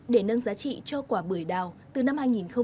để nâng giá trị cho quả bưởi đào từ năm hai nghìn một mươi